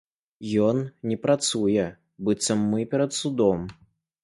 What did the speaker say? Ён не працуе, быццам мы перад судом.